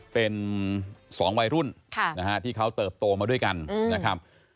เป็น๒วัยรุ่นที่เขาเติบโตมาด้วยกันนะครับ